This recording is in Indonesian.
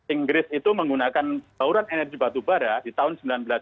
inggris itu menggunakan bauran energi batubara di tahun seribu sembilan ratus sembilan puluh